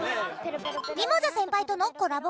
みもざ先輩とのコラボ